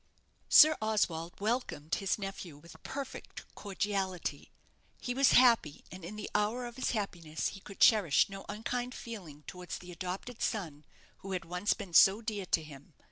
Sir Oswald welcomed his nephew with perfect cordiality. He was happy, and in the hour of his happiness he could cherish no unkind feeling towards the adopted son who had once been so dear to him.